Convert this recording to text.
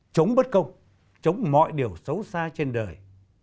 chống bất công chống mọi điều xấu xa trên đời